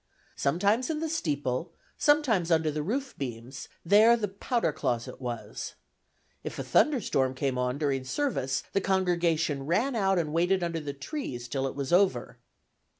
Sometimes in the steeple, sometimes under the roof beams, there the "powder closite" was. If a thunder storm came on during service, the congregation ran out, and waited under the trees till it was over.